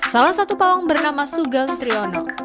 salah satu pawang bernama sugeng triyono